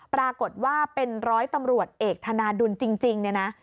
ปรากฏว่าเป็นร้อยตำรวจเอกธนาดุลจริงเนี่ยนะ